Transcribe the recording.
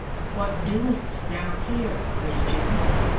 What doest thou here, Christian?